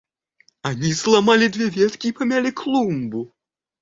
– Они сломали две ветки и помяли клумбу.